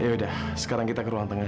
yaudah sekarang kita ke ruang tengah ya